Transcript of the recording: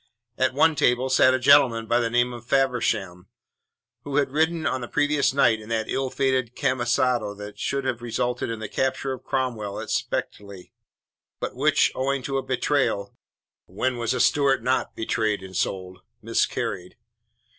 At one table sat a gentleman of the name of Faversham, who had ridden on the previous night in that ill fated camisado that should have resulted in the capture of Cromwell at Spetchley, but which, owing to a betrayal when was a Stuart not betrayed and sold? miscarried.